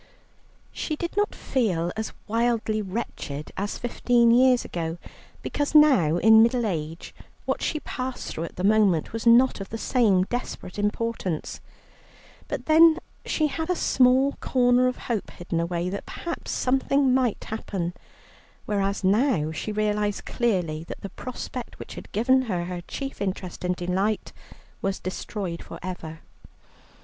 She did not feel as wildly wretched as fifteen years ago, because now in middle age what she passed through at the moment was not of the same desperate importance; but then she had a small corner of hope hidden away that perhaps something might happen, whereas now she realized clearly that the prospect which had given her her chief interest and delight was destroyed for ever.